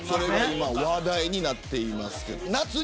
話題になっています。